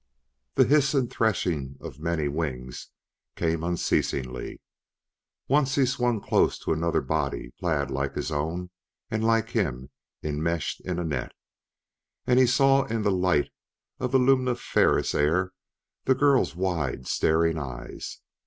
The hiss and threshing of many wings came unceasingly. Once he swung close to another body clad like his own and, like him, enmeshed in a net. And he saw in the light of the luminiferous air the girl's wide, staring eyes.